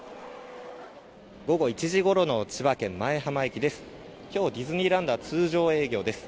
午後１時ごろの千葉県舞浜駅です。